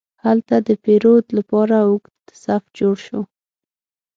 هلته د پیرود لپاره اوږد صف جوړ شو.